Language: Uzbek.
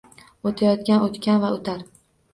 Oʼtayotgan, oʼtgan va oʼtar –